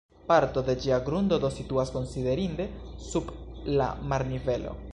Parto de ĝia grundo do situas konsiderinde sub la marnivelo.